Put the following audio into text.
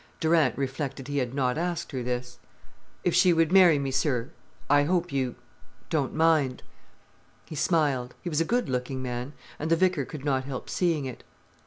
Durant reflected he had not asked her this: "If she would marry me, sir. I hope you—don't mind." He smiled. He was a good looking man, and the vicar could not help seeing it.